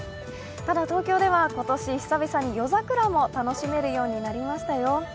ただ東京では今年久々に夜桜も楽しめるようになりましたよ。